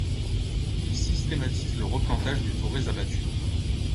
Il systématise le replantage des forêts abattues.